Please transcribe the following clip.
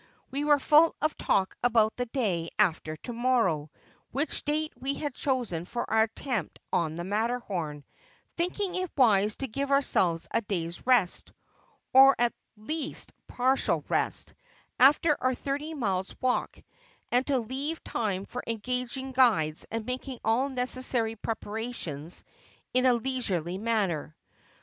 We were full of talk about the day after to morrow, which date we had chosen for our attempt on the Matterhorn, thinking it wise to give ourselves a day's rest, or at least partial rest, after our thirty miles' walk, and to leave time for engaging guides and making all necessary preparations in a leisurely manner.